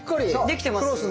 できてます？